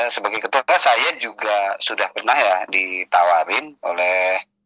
sebagai ketua saya juga sudah pernah ya ditawarin oleh